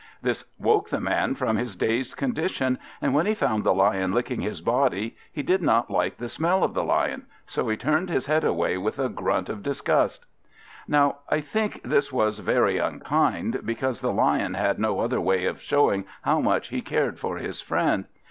This woke the man from his dazed condition; and when he found the Lion licking his body, he did not like the smell of the Lion, so he turned his head away, with a grunt of disgust. Now I think this was very unkind, because the Lion had no other way of showing how much he cared for his friend.